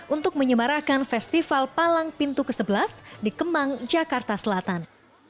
untuk menyemarakan festival palang pintu ke sebelas di kemang jakarta selatan